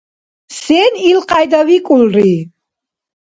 Сен илкьяйда викӀулри?